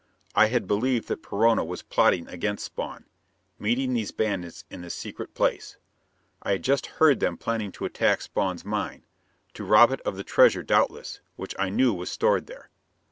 I had believed that Perona was plotting against Spawn, meeting these bandits in this secret place; I had just heard them planning to attack Spawn's mine to rob it of the treasure doubtless, which I knew was stored there.